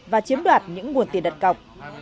và chiếm đoạt những nguồn tiền đặt cọc